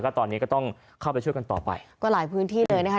ตอนนี้ก็ต้องเข้าไปช่วยกันต่อไปก็หลายพื้นที่เลยนะคะ